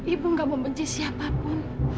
ibu gak membenci siapapun